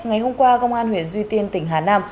ngày hôm qua công an huyện duy tiên tỉnh hà nam